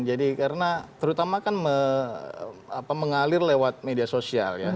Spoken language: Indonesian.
jadi karena terutama kan mengalir lewat media sosial ya